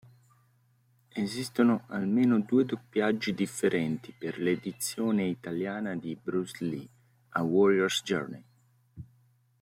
Esistono almeno due doppiaggi differenti per l'edizione italiana di "Bruce Lee: A Warrior's Journey".